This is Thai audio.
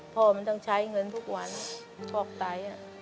พ่อมันต้องใช้เงินทุกวันชอบไต